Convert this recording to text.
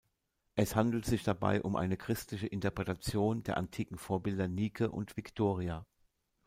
Es handelt sich dabei um eine christliche Interpretation der antiken Vorbilder Nike und Victoria.